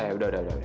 nah ya udah udah